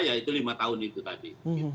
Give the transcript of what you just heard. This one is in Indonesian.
ya itu lima tahun itu tadi